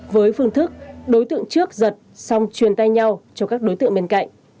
với phương thức đối tượng trước giật xong truyền tay nhau cho các đối tượng bên cạnh